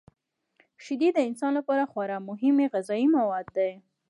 شیدې د انسان لپاره خورا مهمې غذايي مواد دي.